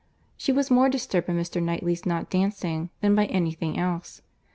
—She was more disturbed by Mr. Knightley's not dancing than by any thing else.